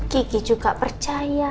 kiki juga percaya